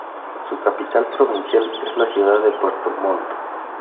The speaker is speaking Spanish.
Su capital provincial es la ciudad de Puerto Montt.